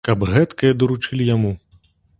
Каб гэткае даручылі яму!